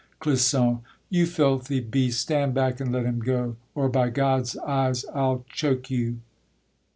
CLISSON. You filthy beast, stand back and let him go, Or by God's eyes I'll choke you!